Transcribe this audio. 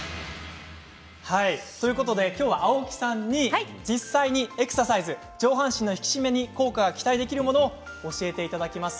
きょうは青木さんに実際にエクササイズ、上半身の引き締めに効果ができるものを教えていただきます。